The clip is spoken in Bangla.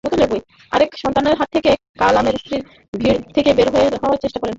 আরেক সন্তানের হাত ধরে কামালের স্ত্রী ভিড় থেকে বের হওয়ার চেষ্টা করেন।